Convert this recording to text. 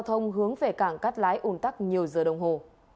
ông hướng về cảng cắt lái ủn tắc nhiều giờ đồng hồ